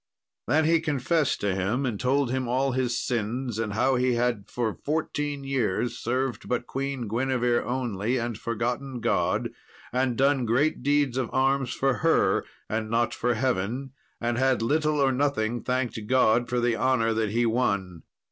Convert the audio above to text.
Then he confessed to him, and told him all his sins, and how he had for fourteen years served but Queen Guinevere only, and forgotten God, and done great deeds of arms for her, and not for Heaven, and had little or nothing thanked God for the honour that he won.